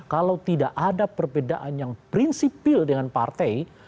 kalau tidak ada perbedaan yang prinsipil dengan partai